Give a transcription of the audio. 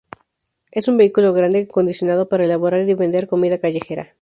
Es un vehículo grande acondicionado para elaborar y vender comida callejera.